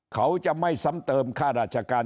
เขาจะไม่ซ้ำเติมค่าราชการ